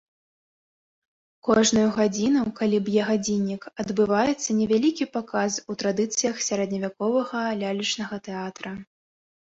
Кожную гадзіну, калі б'е гадзіннік, адбываецца невялікі паказ у традыцыях сярэдневяковага лялечнага тэатра.